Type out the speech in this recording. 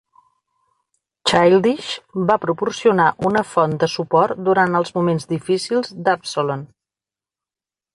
Childish va proporcionar una font de suport durant els moments difícils d'Absolon.